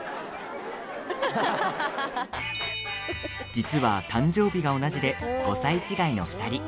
実は誕生日が同じで５歳違いの２人。